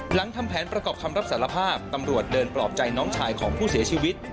หลังทำแผนประกอบคำรับสารภาพตำรวจเดินปลอบใจน้องชายของผู้เสียชีวิต